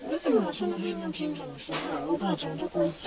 その辺の近所の人が、おばあちゃんどこ行った？